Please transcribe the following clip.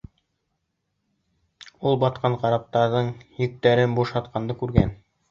Ул батҡан караптарҙың йөктәрен бушатҡанды күргән.